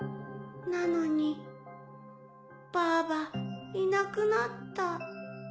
なのにバーバいなくなった。